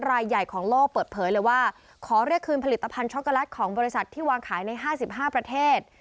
รายใหญ่ของโลกเปิดเผยเลยว่าขอเรียกคืนผลิตภัณฑ์ช็อกโกแลตของบริษัทที่วางขายใน๕๕ประเทศ